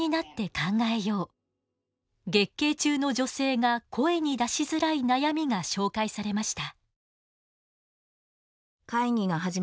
月経中の女性が声に出しづらい悩みが紹介されました。